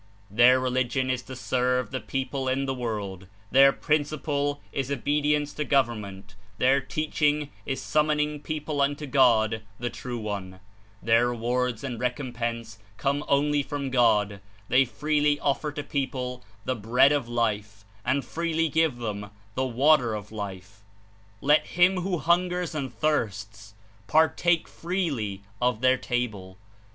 Their religion Is to serve the people in the world; their principle Is obedience to government; their teaching Is summoning people unto God, the True One; their rewards and recompense come only from God; they freely offer to people the Bread of Life and freely give them the Water of Life. Let him who hungers and thirsts partake freely of their Ta ble.